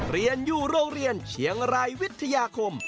เรียนอยู่โรงเรียนเชียงรายวิทยาคม